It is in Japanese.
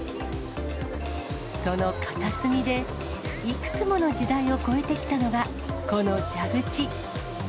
その片隅で、いくつもの時代を超えてきたのが、この蛇口。